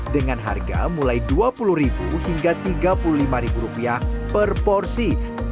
dengan harga mulai rp dua puluh hingga rp tiga puluh lima per porsi